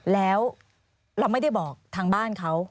แล้วเราไม่ได้บอกทางบ้านเขา